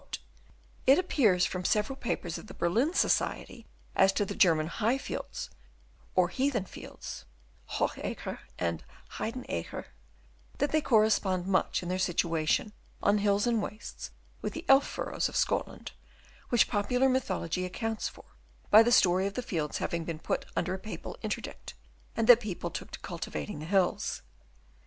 451) remarks: "It appears from several papers of the Berlin Society as to the German * high fields' or « heathen fields ' (tioch'acker, and Heidenacker) that they correspond much in their situation on hills and wastes with the ■ elf furrows ' of Scotland, which popular mythology accounts for by the story of the fields having been put under a Papal interdict, so that people took to cultivating the hills.